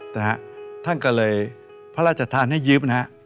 นะฮะท่านก็เลยพระราชทานให้ยืมนะฮะ